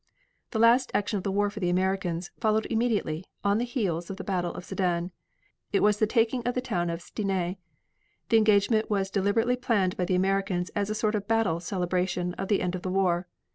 The last action of the war for the Americans followed immediately on the heels of the battle of Sedan. It was the taking of the town of Stenay. The engagement was deliberately planned by the Americans as a sort of battle celebration of the end of the war.